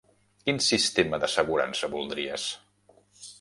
Quin sistema d'assegurança voldries?